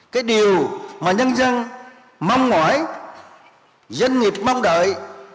cái điều mà nhân dân mong ngoái dân nghiệp mong đợi